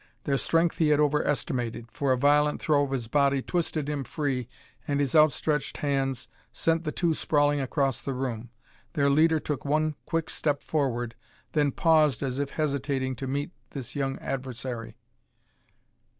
Their strength he had overestimated, for a violent throw of his body twisted him free, and his outstretched hands sent the two sprawling across the room. Their leader took one quick step forward, then paused as if hesitating to meet this young adversary.